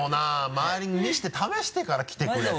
周りに見せて試してから来てくれって。